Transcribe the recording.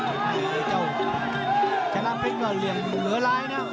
นี่เจ้าชนะเพชรเหลือรายนะ